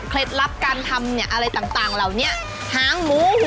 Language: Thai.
เคล็ดลับการทำอะไรต่าง